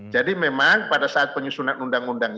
jadi memang pada saat penyusunan undang undang